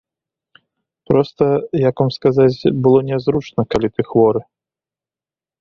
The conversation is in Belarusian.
Проста, як вам сказаць, было нязручна, калі ты хворы.